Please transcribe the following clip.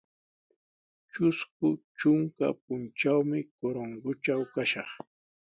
Trusku trunka puntrawmi Corongotraw kashaq.